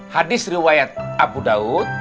hadis riwayat abu daud